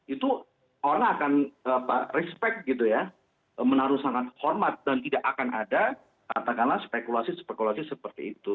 itu orang akan respect gitu ya menaruh sangat hormat dan tidak akan ada katakanlah spekulasi spekulasi seperti itu